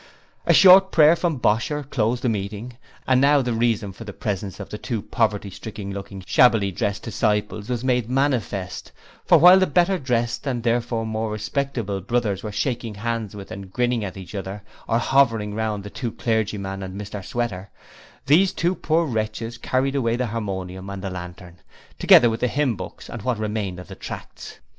A short prayer from Bosher closed the meeting, and now the reason for the presence of the two poverty stricken looking shabbily dressed disciples was made manifest, for while the better dressed and therefore more respectable Brothers were shaking hands with and grinning at each other or hovering round the two clergymen and Mr Sweater, these two poor wretches carried away the harmonium and the lantern, together with the hymn books and what remained of the tracts.